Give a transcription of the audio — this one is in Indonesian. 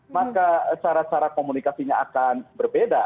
maka cara cara komunikasinya akan berbeda